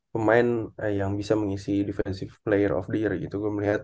pemain yang bisa mengisi defensive player of dear gitu gue melihat